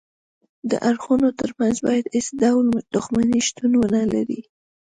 د اړخونو ترمنځ باید هیڅ ډول دښمني شتون ونلري